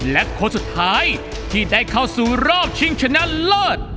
และคนสุดท้ายที่ได้เข้าสู่รอบชิงชนะเลิศ